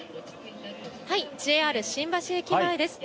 ＪＲ新橋駅前です。